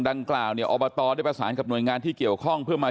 ดังกล่าวเนี่ยอบตได้ประสานกับหน่วยงานที่เกี่ยวข้องเพื่อมา